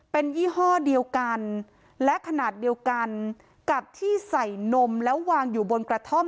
เป็นยี่ห้อเดียวกันและขนาดเดียวกันกับที่ใส่นมแล้ววางอยู่บนกระท่อม